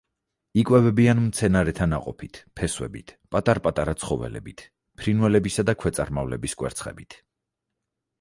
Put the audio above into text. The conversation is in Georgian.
იკვებებიან მცენარეთა ნაყოფით, ფესვებით, პატარ-პატარა ცხოველებით, ფრინველებისა და ქვეწარმავლების კვერცხებით.